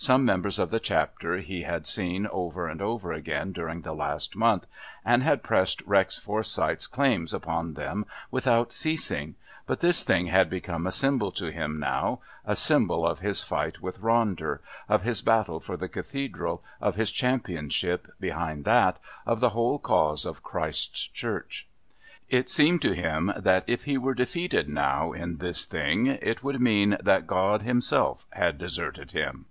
Some members of the Chapter he had seen over and over again during the last months, and had pressed Rex Forsyth's claims upon them without ceasing, but this thing had become a symbol to him now a symbol of his fight with Ronder, of his battle for the Cathedral, of his championship, behind that, of the whole cause of Christ's Church. It seemed to him that if he were defeated now in this thing it would mean that God Himself had deserted him.